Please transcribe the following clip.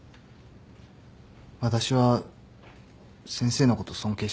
私は先生のこと尊敬してます。